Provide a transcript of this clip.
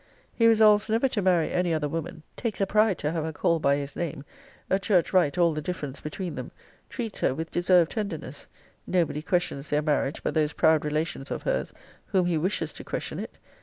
'He resolves never to marry any other woman: takes a pride to have her called by his name: a church rite all the difference between them: treats her with deserved tenderness. Nobody questions their marriage but those proud relations of her's, whom he wishes to question it.